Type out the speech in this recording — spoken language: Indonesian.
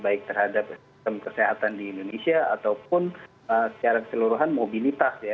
baik terhadap sistem kesehatan di indonesia ataupun secara keseluruhan mobilitas ya